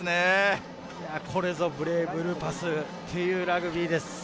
これぞブレイブルーパスというラグビーです。